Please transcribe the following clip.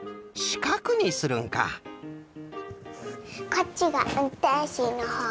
こっちがうんてんしのほう。